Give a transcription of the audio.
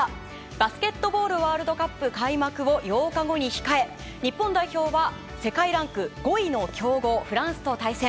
バスケットボールワールドカップ開幕を８日後に控え、日本代表は世界ランク５位の強豪フランスと対戦。